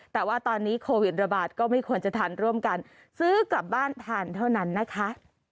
แต่ว่าตอนนี้โควิดระบาดก็ไม่ควรจะทานร่วมกันซื้อกลับบ้านทานเท่านั้นนะคะ